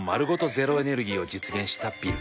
ゼロエネルギーを実現したビル。